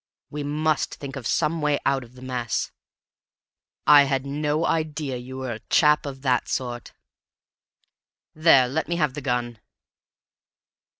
We must think of some way out of the mess. I had no idea you were a chap of that sort! There, let me have the gun."